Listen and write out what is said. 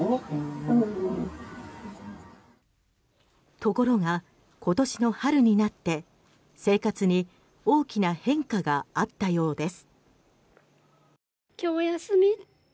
ところが今年の春になって生活に大きな変化があったようです。